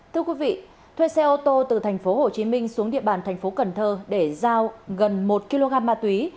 thưa quý vị thuê xe ô tô từ tp hcm xuống địa bàn tp cn để giao gần một kg ma túy